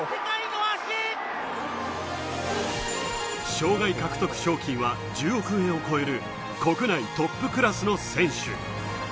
生涯獲得賞金は１０億円を超える国内トップクラスの選手。